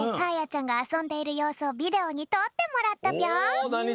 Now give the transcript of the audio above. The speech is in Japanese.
ちゃんがあそんでいるようすをビデオにとってもらったぴょん。